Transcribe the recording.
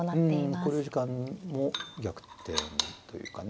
考慮時間も逆転というかね。